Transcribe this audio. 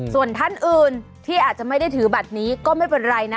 ส่วนท่านอื่นที่อาจจะไม่ได้ถือบัตรนี้ก็ไม่เป็นไรนะ